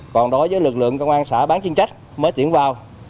còn đối với lực lượng công an xã bán chuyên trách mới tiễn vào